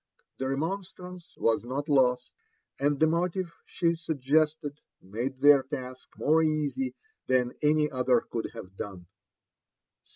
The remonstrance was not lost, and the motive she suggested made their task more easy than any other could have done.